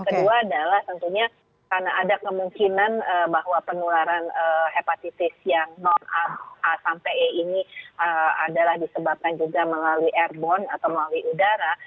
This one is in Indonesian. kedua adalah tentunya karena ada kemungkinan bahwa penularan hepatitis yang non a sampai e ini adalah disebabkan juga melalui airborne atau melalui udara